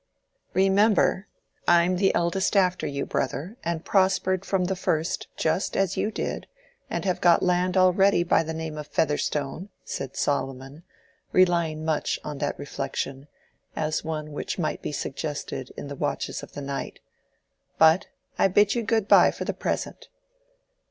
"Remember, I'm the eldest after you, Brother, and prospered from the first, just as you did, and have got land already by the name of Featherstone," said Solomon, relying much on that reflection, as one which might be suggested in the watches of the night. "But I bid you good by for the present."